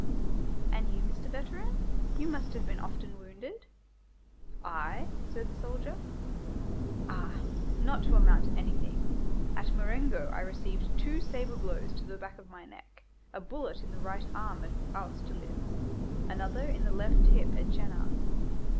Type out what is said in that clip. "And you, Mr. Veteran, you must have been often wounded?" "I?" said the soldier, "ah! not to amount to anything. At Marengo, I received two sabre blows on the back of my neck, a bullet in the right arm at Austerlitz, another in the left hip at Jena.